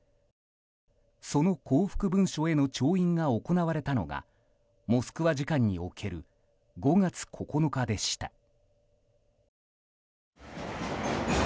その降伏文書への調印が行われたのがモスクワ時間における５月９日でした。